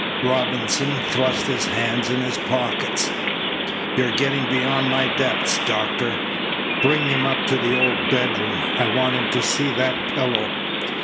Robinson thrust his hands in his pockets. "You're getting beyond my depths, Doctor. Bring him up to the old bedroom. I want him to see that pillow."